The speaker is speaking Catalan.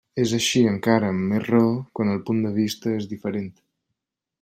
És així encara amb més raó quan el punt de vista és diferent.